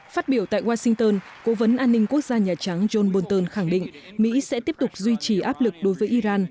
phát biểu tại washington cố vấn an ninh quốc gia nhà trắng john bolton khẳng định mỹ sẽ tiếp tục duy trì áp lực đối với iran